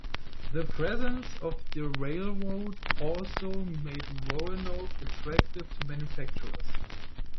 The presence of the railroad also made Roanoke attractive to manufacturers.